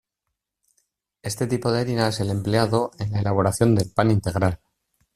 Este tipo de harina es el empleado en la elaboración del pan integral.